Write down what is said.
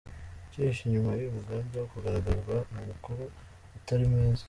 Ikihishe inyuma y’uyu mugambi, wo kugaragazwa mu makuru atari meza